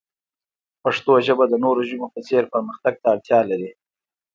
پښتو ژبه د نورو ژبو په څیر پرمختګ ته اړتیا لري.